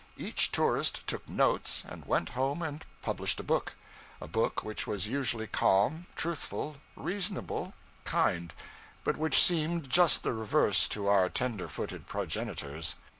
Each tourist took notes, and went home and published a book a book which was usually calm, truthful, reasonable, kind; but which seemed just the reverse to our tender footed progenitors.